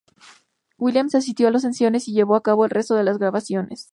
Williams asistió a las sesiones y llevó a cabo el resto de las grabaciones.